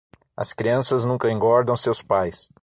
As crianças nunca engordam seus pais.